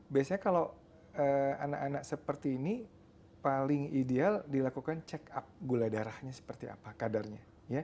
biasanya kalau anak anak seperti ini paling ideal dilakukan check up gula darahnya seperti apa kadarnya